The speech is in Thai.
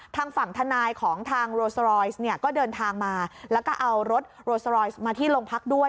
ทางฝั่งทนายของทางโรซอรอยซ์เนี่ยก็เดินทางมาแล้วก็เอารถโรสรอยมาที่โรงพักด้วย